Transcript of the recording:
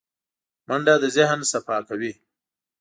منډه د ذهن صفا کوي